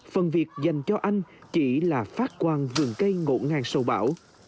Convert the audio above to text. phần việc dành cho anh chỉ là phát quang vườn cây ngộ ngang sau bão